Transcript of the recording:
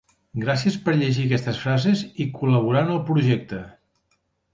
Gràcies per llegir aquestes frases i col.laborar en el projecte